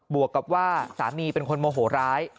วกกับว่าสามีเป็นคนโมโหร้าย